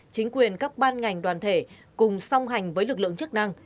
chính quyền các ban ngành đoàn thể cùng song hành với lực lượng chức năng